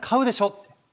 って。